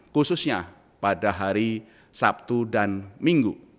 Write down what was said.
khususnya pada hari sabtu dan minggu